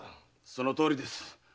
そのとおりです。